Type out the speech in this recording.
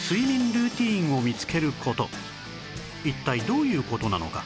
一体どういう事なのか？